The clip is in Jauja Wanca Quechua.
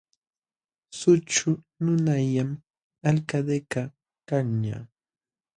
Sućhu nunallam Alcaldekaq kañaq.